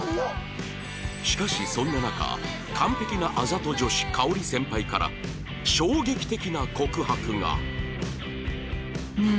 しかしそんな中完璧なあざと女子香織先輩から衝撃的な告白がフフ！